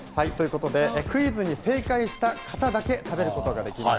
クイズに正解した人だけ食べることができます。